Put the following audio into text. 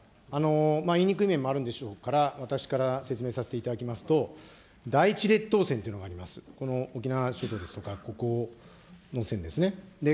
言いにくい面もあるんでしょうから、私から説明させていただきますと、線というのがあります、この沖縄諸島ですとか、ここの線ですね。